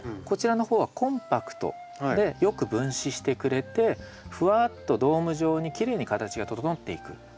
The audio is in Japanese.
こちらの方はコンパクトでよく分枝してくれてふわっとドーム状にきれいに形が整っていく。